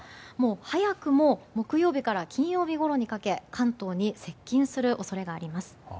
早くも木曜日から金曜日ごろにかけ関東に接近する恐れがあります。